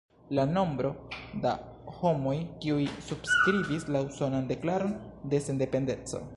La nombro da homoj kiuj subskribis la Usonan Deklaron de Sendependeco.